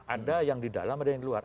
ada yang di dalam ada yang di luar